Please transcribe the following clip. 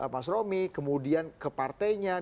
mas romi kemudian ke partainya